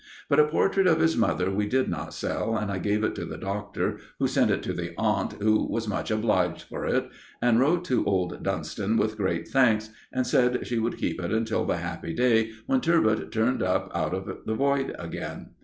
But a portrait of his mother we did not sell, and I gave it to the Doctor, who sent it to the aunt, who was much obliged for it, and wrote to old Dunston with great thanks, and said she would keep it until the happy day when "Turbot" turned up out of the void again.